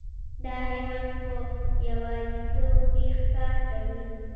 دا حیوان په یوازیتوب کې ښکار کوي.